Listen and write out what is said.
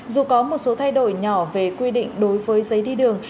dù có một số thay đổi nhỏ về quy định đối với giấy đi đường